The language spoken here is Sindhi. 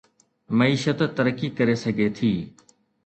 معيشت ترقي ڪري سگهي ٿي